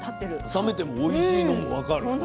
冷めてもおいしいのも分かるこの感じ。